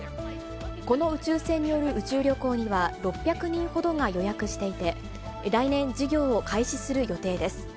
この宇宙船による宇宙旅行には６００人ほどが予約していて、来年、事業を開始する予定です。